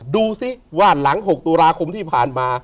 ดูสิว่าหลัง๖ตุลาคมที่ผ่านมา